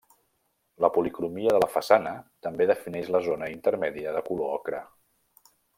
La policromia de la façana també defineix la zona intermèdia de color ocre.